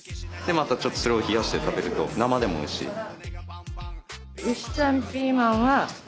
でまたちょっとそれを冷やして食べると生でも美味しい。